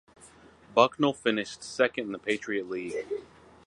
Bucknell finished second in the Patriot League.